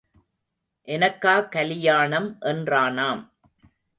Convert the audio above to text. எனக்கா கல்யாணம் என்றானாம்.